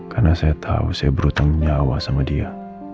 karena saya tahu saya berhutang nyawa sama dia